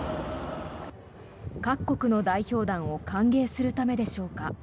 各国の代表団を歓迎するためでしょうか